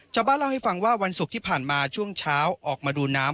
ชาวบ้านเล่าให้ฟังว่าวันศุกร์ที่ผ่านมาช่วงเช้าออกมาดูน้ำ